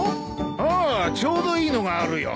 ああちょうどいいのがあるよ。